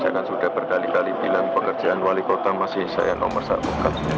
saya kan sudah berkali kali bilang pekerjaan wali kota masih saya nomor satu